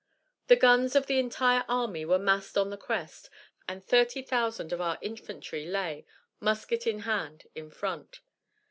The guns of the entire army were massed on the crest, and thirty thousand of our infantry lay, musket in hand, in front.